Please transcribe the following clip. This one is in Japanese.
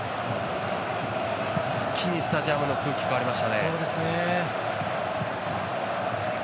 一気にスタジアムの空気変わりましたね。